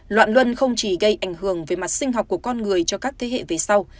loạn luân không chỉ gây ảnh hưởng về mặt sinh học của con người cho các thế hệ về sau